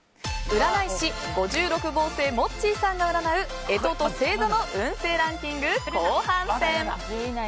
占い師五十六謀星もっちぃさんが占う干支と星座の運勢ランキング後半戦。